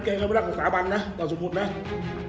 แกก็ไม่รักกับสาวบัญนะเราสมมติไหม